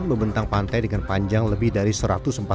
membentang pantai dengan panjang lebih dari satu ratus empat puluh